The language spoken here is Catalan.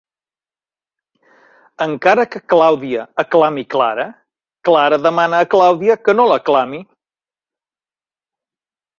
Encara que Clàudia aclami Clara, Clara demana a Clàudia que no l'aclami.